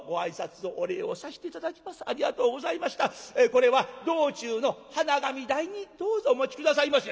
これは道中の鼻紙代にどうぞお持ち下さいませ」。